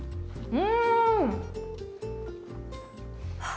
うん！